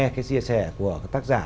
cái chia sẻ của tác giả